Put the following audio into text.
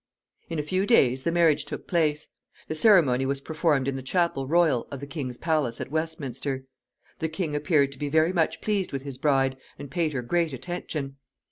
In a few days the marriage took place. The ceremony was performed in the chapel royal of the king's palace at Westminster. The king appeared to be very much pleased with his bride, and paid her great attention.